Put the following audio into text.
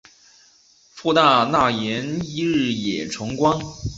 父大纳言日野重光。